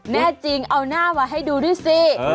แน่จริงเอาหน้ามาให้ดูด้วยสิ